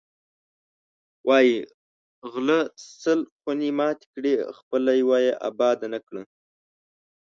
وایی غله سل خونې ماتې کړې، خپله یوه یې اباده نه کړه.